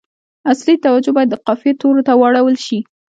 اصلي توجه باید د قافیې تورو ته واړول شي.